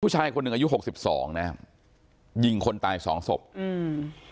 ผู้ชายคนหนึ่งอายุหกสิบสองนะฮะยิงคนตายสองศพอืม